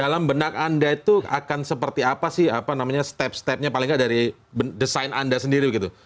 dalam benak anda itu akan seperti apa sih apa namanya step stepnya paling nggak dari desain anda sendiri begitu